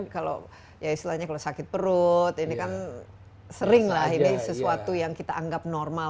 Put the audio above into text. kalau ya istilahnya kalau sakit perut ini kan sering lah ini sesuatu yang kita anggap normal